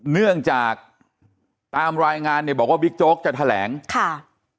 เนื่องจากตามรายงานเนี่ยบอกว่าบิ๊กโจ๊กจะแถลงค่ะ